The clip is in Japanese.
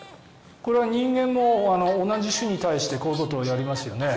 これは人間も同じ種に対してこういうことをやりますよね。